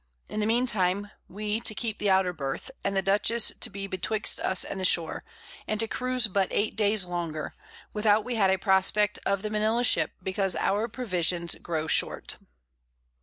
In the mean time we to keep the outer Birth, and the Dutchess to be betwixt us and the Shore, and to cruize but 8 Days longer, without we had a Prospect of the Manila Ship, because our Provisions grow short.